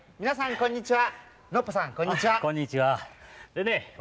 こんにちは。